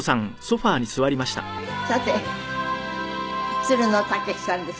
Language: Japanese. さてつるの剛士さんですけど。